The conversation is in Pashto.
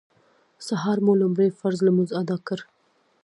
سهار مو لومړی فرض لمونځ اداء کړ.